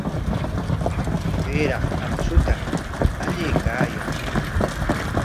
Chayraq akshuta allaykaayaa.